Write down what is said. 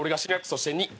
そしてに。